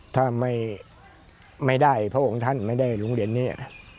ถ้าไม่ได้พระองค์ท่านไม่ได้โรงเรียนนี้